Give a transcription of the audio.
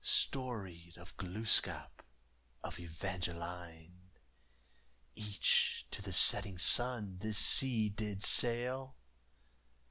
Storied of Glooscap, of Evangeline Each to the setting sun this sea did sail.